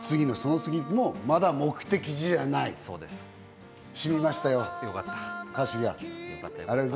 その次のその次もまだ目的地じゃない、しみましたよ、歌詞が。